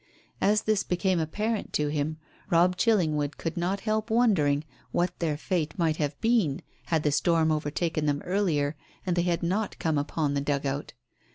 As this became apparent to him, Robb Chillingwood could not help wondering what their fate might have been had the storm overtaken them earlier, and they had not come upon the dugout.